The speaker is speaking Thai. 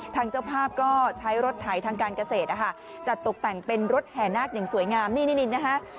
เจ้าภาพก็ใช้รถไถทางการเกษตรนะคะจัดตกแต่งเป็นรถแห่นาคอย่างสวยงามนี่นะคะ